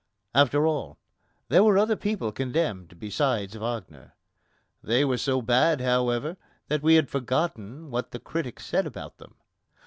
After all, there were other people condemned besides Wagner. They were so bad, however, that we have forgotten what the critics said about them.